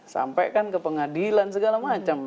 sampai kan ke pengadilan segala macam